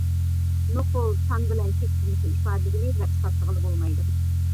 نوقۇل سان بىلەن چەكسىزلىكنى ئىپادىلىگىلى ۋە ئىسپاتلىغىلى بولمايدۇ.